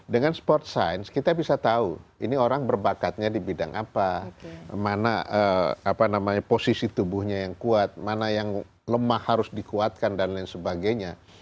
dengan sport science kita bisa tahu ini orang berbakatnya di bidang apa mana posisi tubuhnya yang kuat mana yang lemah harus dikuatkan dan lain sebagainya